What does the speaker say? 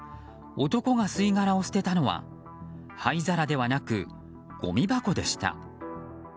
男が吸い殻を捨てたのは灰皿ではなくごみ箱でした。